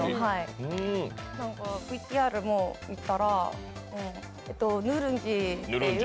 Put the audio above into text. ＶＴＲも見たら、ヌルンジっていう。